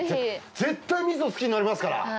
絶対味噌好きになりますから。